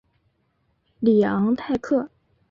里昂泰克。